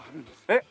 えっ？